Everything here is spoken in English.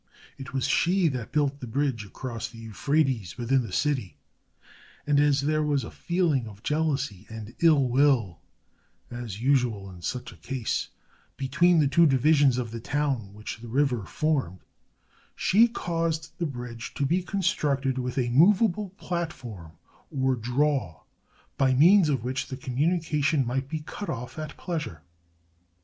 It was she that built the bridge across the Euphrates, within the city; and as there was a feeling of jealousy and ill will, as usual in such a case, between the two divisions of the town which the river formed, she caused the bridge to be constructed with a movable platform or draw, by means of which the communication might be cut off at pleasure.